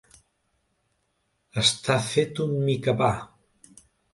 Estar fet un micapà.